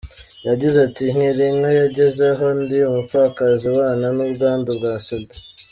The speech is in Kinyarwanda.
Yagize ati "Girinka yangezeho ndi umupfakazi ubana n’ubwandu bwa Sida.